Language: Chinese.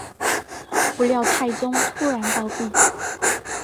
不料太宗突然暴毙。